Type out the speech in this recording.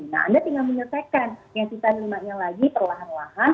nah anda tinggal menyelesaikan yang sisanya limanya lagi perlahan lahan